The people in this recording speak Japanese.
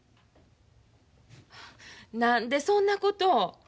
何でそんなこと。